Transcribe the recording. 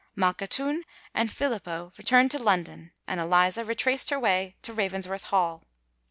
Malkhatoun and Filippo returned to London; and Eliza retraced her way to Ravensworth Hall.